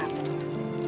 jangan sabar ya